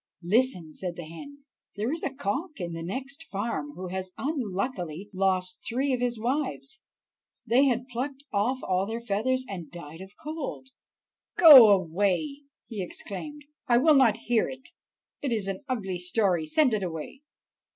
"Listen," said the hen. "There is a cock in the next farm who has unluckily lost three of his wives; they had plucked off all their feathers, and died of cold." "Go away!" he exclaimed. "I will not hear it—it is an ugly story. Send it away!"